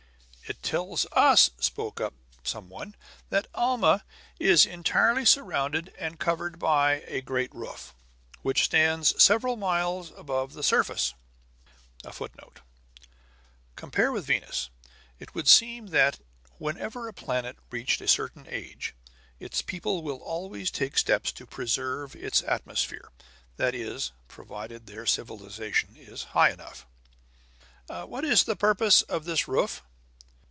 "It tells us," spoke up some one, "that Alma is entirely surrounded and covered by a great roof, which stands several miles above the surface." [Footnote: Compare with Venus. It would seem that, whenever a planet reached a certain age, its people will always take steps to preserve its atmosphere; that is, provided their civilization is high enough.] "What is the purpose of this roof?"